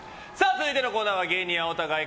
続いてのコーナーは芸人青田買い！